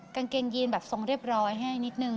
กางเกงยีนแบบทรงเรียบร้อยให้นิดนึง